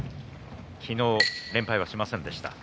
昨日、連敗はしませんでした。